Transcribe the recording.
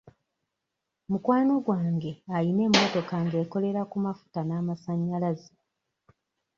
Mukwano gwange ayina emmotoka ng'ekolera ku mafuta n'amasannyalaze.